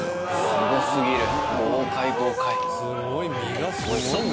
すご過ぎる豪快豪快。